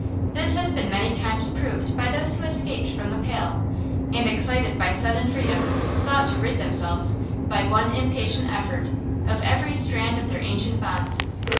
This has been many times proved by those who escaped from the Pale, and, excited by sudden freedom, thought to rid themselves, by one impatient effort, of every strand of their ancient bonds.